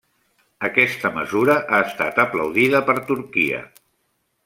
Aquesta mesura ha estat aplaudida per Turquia.